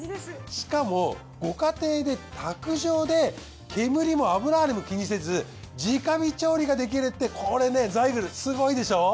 しかもご家庭で卓上で煙も油ハネも気にせず直火調理ができるってこれザイグルすごいでしょう？